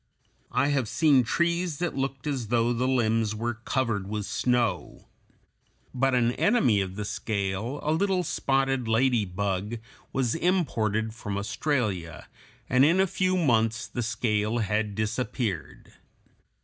I have seen trees that looked as though the limbs were covered with snow. But an enemy of the scale, a little spotted lady bug, was imported from Australia, and in a few months the scale had disappeared.